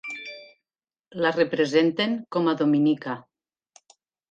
La representen com a "Dominica".